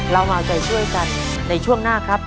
เรามาเอาใจช่วยกันในช่วงหน้าครับ